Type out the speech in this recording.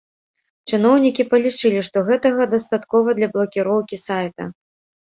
Чыноўнікі палічылі, што гэтага дастаткова для блакіроўкі сайта.